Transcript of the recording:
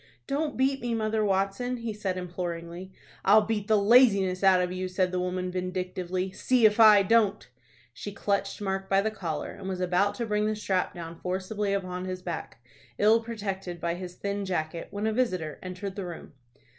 "Don't beat me, Mother Watson," he said, imploringly. "I'll beat the laziness out of you," said the woman, vindictively. "See if I don't." She clutched Mark by the collar, and was about to bring the strap down forcibly upon his back, ill protected by his thin jacket, when a visitor entered the room.